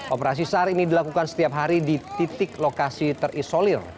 operasi sar ini dilakukan setiap hari di titik lokasi terisolir